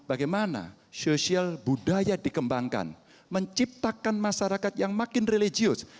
bagaimana sosial budaya dikembangkan menciptakan masyarakat yang makin religius